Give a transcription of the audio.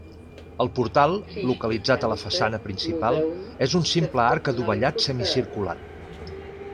El portal, localitzat a la façana principal, és un simple arc adovellat semicircular.